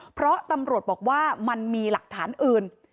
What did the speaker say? เพราะตำรวจบอกว่ามันมีหลักฐานอื่น